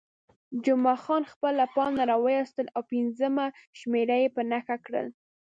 جمعه خان خپله پاڼه راویستل او پنځمه شمېره یې په نښه کړل.